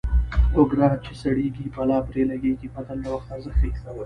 اوګره چې سړېږي بلا پرې لګېږي متل د وخت ارزښت ښيي